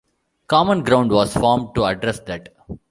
Common Ground was formed to address that.